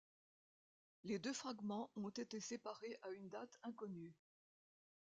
Les deux fragments ont été séparés à une date inconnue.